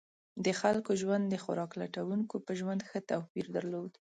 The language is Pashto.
د خلکو ژوند د خوراک لټونکو په ژوند ښه توپیر درلود.